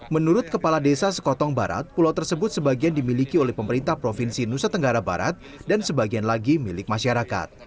menurut kepala desa sekotong barat pulau tersebut sebagian dimiliki oleh pemerintah provinsi nusa tenggara barat dan sebagian lagi milik masyarakat